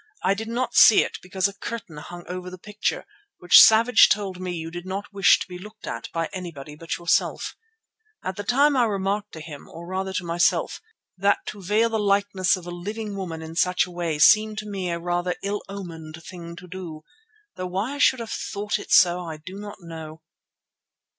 I did not see it because a curtain hung over the picture, which Savage told me you did not wish to be looked at by anybody but yourself. At the time I remarked to him, or rather to myself, that to veil the likeness of a living woman in such a way seemed to me rather an ill omened thing to do, though why I should have thought it so I do not quite know."